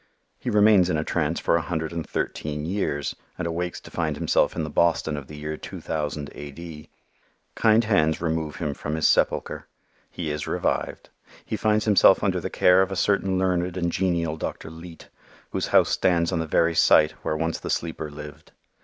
He remains in a trance for a hundred and thirteen years and awakes to find himself in the Boston of the year 2000 A. D. Kind hands remove him from his sepulcher. He is revived. He finds himself under the care of a certain learned and genial Dr. Leete, whose house stands on the very site where once the sleeper lived.